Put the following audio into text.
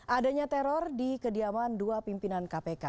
adanya teror di kediaman dua pimpinan kpk